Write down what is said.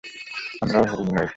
আমরাও হরিণ নই।